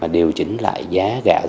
điều chỉnh lại giá gạo